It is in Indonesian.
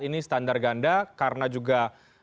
ini standar ganda karena juga